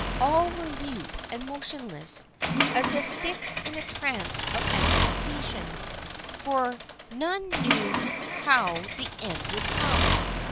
All were mute and motionless, as if fixed in a trance of expectation, for none knew how the end would come.